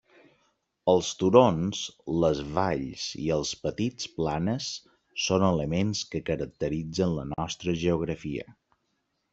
Els turons, les valls i els petits planes són elements que caracteritzen la nostra geografia.